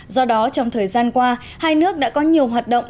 do đó trong thời gian qua hai nước đã có nhiều hoạt động